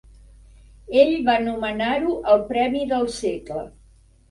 Ell va anomenar-ho "el premi del segle".